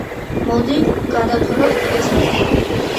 მოდი, გადავთვალოთ კიდეც ბარემ.